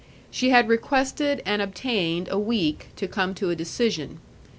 She had requested and obtained a week to come to a decision.